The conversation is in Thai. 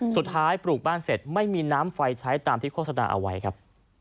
ปลูกบ้านเสร็จไม่มีน้ำไฟใช้ตามที่โฆษณาเอาไว้ครับ